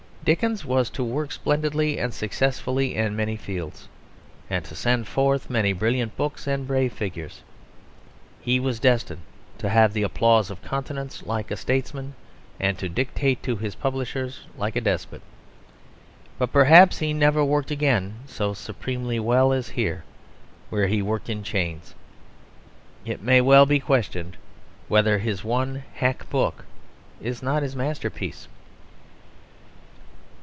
Dickens was to work splendidly and successfully in many fields, and to send forth many brilliant books and brave figures. He was destined to have the applause of continents like a statesman, and to dictate to his publishers like a despot; but perhaps he never worked again so supremely well as here, where he worked in chains. It may well be questioned whether his one hack book is not his masterpiece.